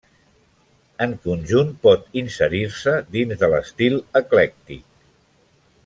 En conjunt pot inserir-se dins de l'estil eclèctic.